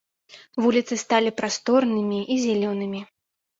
Вуліцы сталі прасторнымі й зялёнымі.